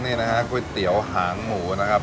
นี่นะฮะก๋วยเตี๋ยวหางหมูนะครับ